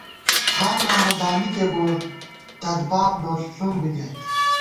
ٹھان نامہ دامِکےبُڑوت، دَدباب لوݪُݪُنگ بی گَئیت